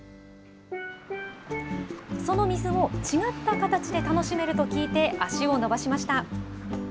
その水を違った形で楽しめると聞いて、足を延ばしました。